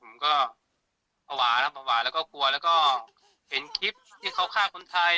ผมก็ประหว่าครับประหว่าแล้วก็กลัวแล้วก็เห็นคลิปที่เขาฆ่าคนไทย